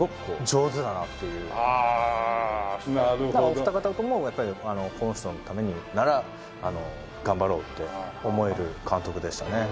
お二方ともやっぱりこの人のためになら頑張ろうって思える監督でしたね。